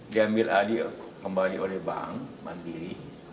diambil adil kembali oleh bank mandiri